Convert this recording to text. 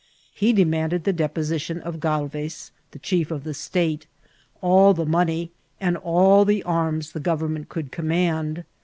He demanded the deposition of OalyeS) the chief of the state, all the money, and all the anns Uie government ooold c<Hnmand.